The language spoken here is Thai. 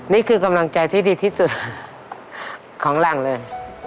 นี่คือกำลังใจที่ดีที่สุดของหลังเลย